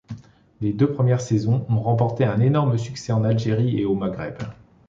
Les deux premières saisons ont remporté un énorme succès en Algérie et au Maghreb.